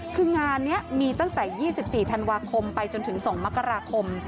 คืองานนี้มีตั้งแต่๒๔ธันวาคมไปจนถึง๒มกราคม